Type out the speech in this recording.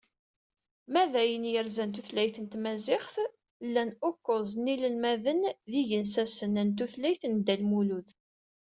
Ma d ayen yerzan tutlayt n tmaziɣt, llan ukuẓ n yinelmaden d igensasen n tutlayt n Dda Lmulud.